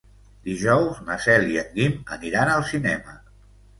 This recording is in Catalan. Dijous na Cel i en Guim aniran al cinema.